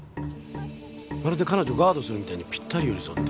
まるで彼女ガードするみたいにぴったり寄り添って。